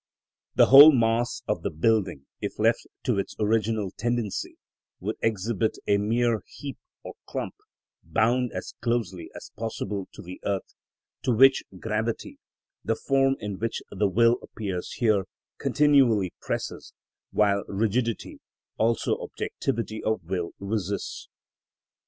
The whole mass of the building, if left to its original tendency, would exhibit a mere heap or clump, bound as closely as possible to the earth, to which gravity, the form in which the will appears here, continually presses, while rigidity, also objectivity of will, resists.